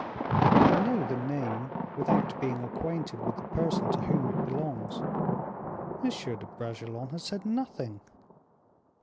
"I know the name without being acquainted with the person to whom it belongs. M. de Bragelonne has said nothing."